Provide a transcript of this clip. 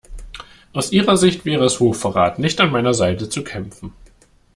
Aus ihrer Sicht wäre es Hochverrat, nicht an meiner Seite zu kämpfen.